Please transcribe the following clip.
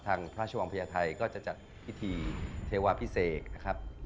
พระชวังพญาไทยก็จะจัดพิธีเทวาพิเศษนะครับ